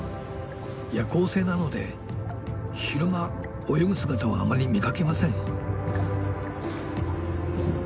夜行性なので昼間泳ぐ姿はあまり見かけません。